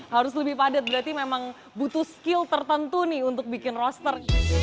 harus lebih padat berarti memang butuh skill tertentu nih untuk bikin roster